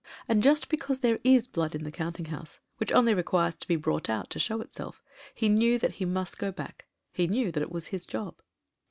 And just because there is blood in the counting house, which only requires to be brought out to show itself, he knew that he must go back — he knew that it was his job.